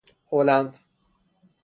هلند